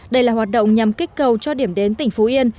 đây là hoạt động nhằm kích cầu cho điểm đến tỉnh phú yên